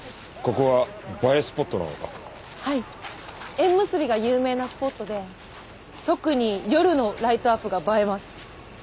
縁結びが有名なスポットで特に夜のライトアップが映えます。